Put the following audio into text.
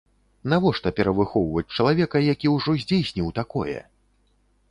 Навошта перавыхоўваць чалавека, які ўжо здзейсніў такое!